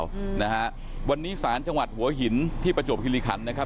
อืมนะฮะวันนี้ศาลจังหวัดหัวหินที่ประจวบคิริคันนะครับ